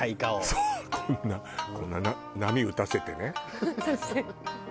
そうこんな波打たせてね。棒で。